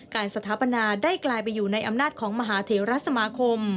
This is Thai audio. สถาปนาได้กลายไปอยู่ในอำนาจของมหาเทราสมาคม